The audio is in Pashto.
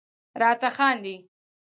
راته خاندي..